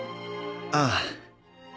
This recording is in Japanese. ああ。